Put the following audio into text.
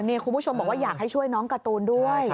คุณผู้ชมบอกว่าอยากให้ช่วยน้องการ์ตูนด้วย